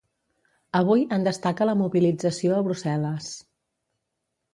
Avui en destaca la mobilització a Brussel·les.